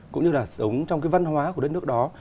cũng như là sống trong cái văn hóa của đất nước đó